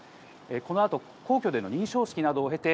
このあと皇居での認証式などを経て、